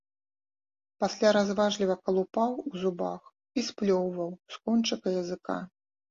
Пасля разважліва калупаў у зубах і сплёўваў з кончыка языка.